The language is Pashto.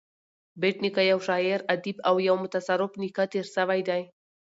بېټ نیکه یو شاعر ادیب او یو متصرف نېکه تېر سوى دﺉ.